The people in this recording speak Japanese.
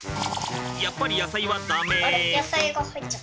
やっぱり野菜は駄目。